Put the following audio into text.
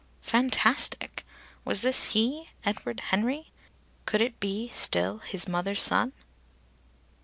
Fantastic! Was this he, Edward Henry? Could it be still his mother's son?